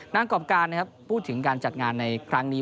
นางกรอบการพูดถึงการจัดงานในครั้งนี้